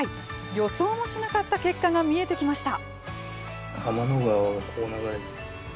予想もしなかった結果が見えてきました。